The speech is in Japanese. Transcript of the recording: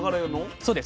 そうです。